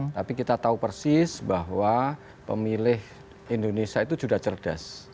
tapi kita tahu persis bahwa pemilih indonesia itu sudah cerdas